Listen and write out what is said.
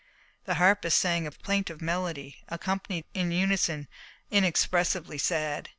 The harpist sang a plaintive melody, accompanied in unison, inexpressibly sad.